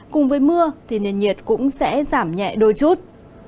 cùng với mưa thì nền nhiệt cũng sẽ giảm nhẹ đôi chút